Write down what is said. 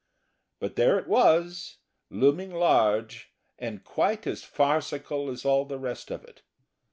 But there it was, looming large, and quite as farcical as all the rest of it.